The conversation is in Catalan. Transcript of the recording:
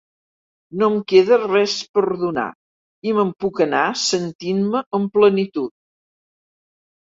No em queda res per donar i me'n puc anar sentint-me amb plenitud.